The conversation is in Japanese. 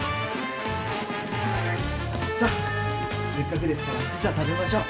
さあせっかくですからピザ食べましょう。